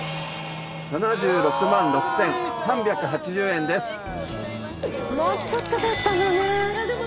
７６万６，３８０円です。